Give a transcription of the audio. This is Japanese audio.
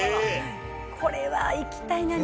これは行きたいな。